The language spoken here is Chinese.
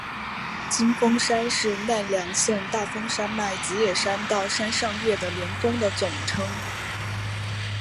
金峰山是奈良县大峰山脉吉野山到山上岳的连峰的总称。